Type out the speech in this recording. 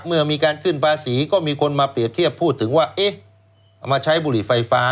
เมื่อมีการขึ้นภาษีก็มีคนมาเปรียบเทียบพูดถึงว่าเอ๊ะเอามาใช้บุหรี่ไฟฟ้า